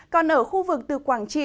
còn ở khu vực từ quảng trị